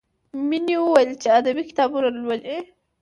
مینې وویل چې ادبي کتابونه لولي